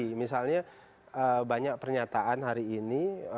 jadi misalnya banyak pernyataan hari ini